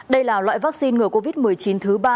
đây là loại vaccine ngừa covid một mươi chín thứ ba